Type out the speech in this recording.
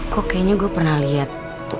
kok kayaknya gua pernah liat